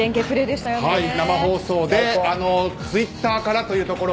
生放送でツイッターからというのは